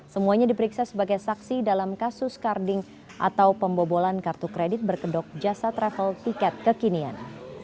semuanya diperiksa sebagai saksi dalam kasus carding atau pembobolan kartu kredit berkedok jasa travel tiket kekinian